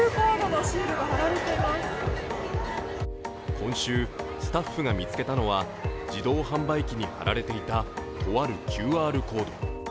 今週、スタッフが見つけたのは自動販売機に貼られていたとあるＱＲコード。